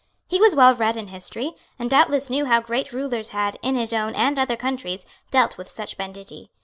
He was well read in history, and doubtless knew how great rulers had, in his own and other countries, dealt with such banditti.